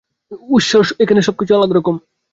ঈশ্বর, সবকিছু এখানে আলাদারকম।